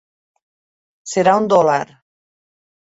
Serà un dòlar.